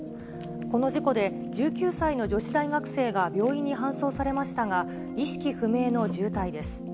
この事故で、１９歳の女子大学生が病院に搬送されましたが、意識不明の重体です。